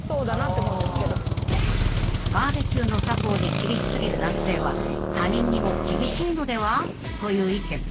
［バーベキューの作法に厳し過ぎる男性は他人にも厳しいのでは？という意見］